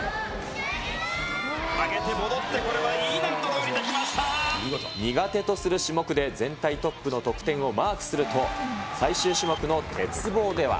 上げて戻って、苦手とする種目で全体トップの得点をマークすると、最終種目の鉄棒では。